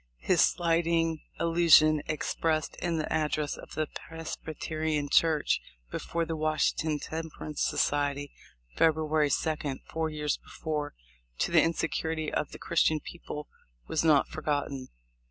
His slighting allusion expressed in the address at the Presbyterian Church before the Washington Temperance Society, Feb ruary 2d, four years before, to the insincerity of the Christian people was not forgotten.